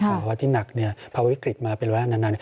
ภาวะที่หนักเนี่ยภาวะวิกฤตมาเป็นระวังนาน